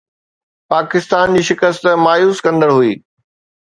پاڪستان جي شڪست مايوس ڪندڙ هئي